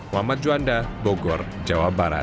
muhammad juanda bogor jawa barat